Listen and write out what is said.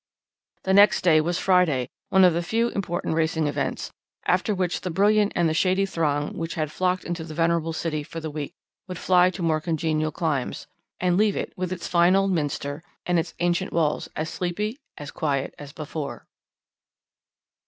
The next day was Friday, one of few important racing events, after which the brilliant and the shady throng which had flocked into the venerable city for the week would fly to more congenial climes, and leave it, with its fine old Minster and its ancient walls, as sleepy, as quiet as before.